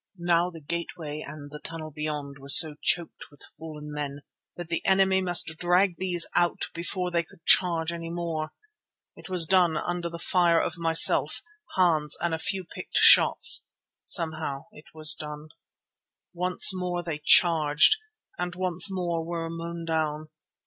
Now the gateway and the tunnel beyond were so choked with fallen men that the enemy must drag these out before they could charge any more. It was done under the fire of myself, Hans and a few picked shots—somehow it was done. Once more they charged, and once more were mown down.